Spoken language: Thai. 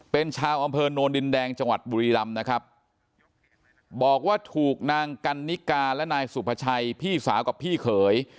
เป็นชาวอำเภอโนนดินแดงจังหวัดบุรีรำนะครับบอกว่าถูกนางกันนิกาและนายสุภาชัยพี่สาวกับพี่เขย